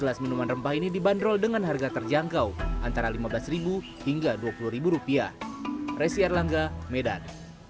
kelas minuman rempah ini dibanderol dengan harga terjangkau antara lima belas hingga dua puluh rupiah